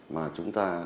mà chúng ta